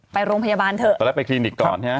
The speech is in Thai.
ไปโรงพยาบาลเถอะตอนแรกไปคลินิกก่อนใช่ไหม